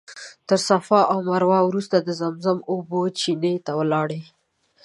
تر صفا او مروه وروسته د زمزم اوبو چینې ته لاړم.